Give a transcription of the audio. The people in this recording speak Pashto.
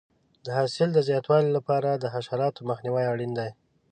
د حاصل د زیاتوالي لپاره د حشراتو مخنیوی اړین دی.